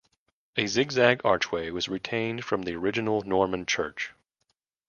A zig zag archway was retained from the original Norman church.